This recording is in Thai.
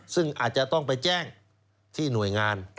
ซึ่งอาจจะต้องไปแจ้งที่หน่วยงาน